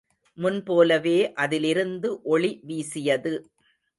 முன் போலவே அதிலிருந்து ஒளி வீசியது.